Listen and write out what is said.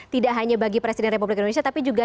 tidak hanya bagi presiden republik indonesia tapi juga